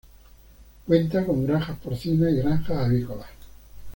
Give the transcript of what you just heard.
Cuenta con granjas porcinas y granjas avícolas.